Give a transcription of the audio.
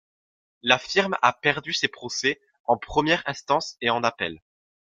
La firme a perdu ses procès en première instance et en appel.